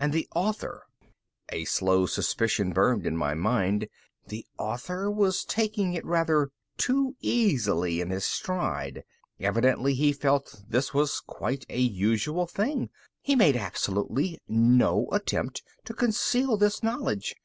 And the author? A slow suspicion burned in my mind. The author was taking it rather too easily in his stride. Evidently, he felt this was quite a usual thing. He made absolutely no attempt to conceal this knowledge.